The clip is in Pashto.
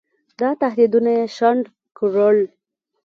دا تهدیدونه یې شنډ کړل.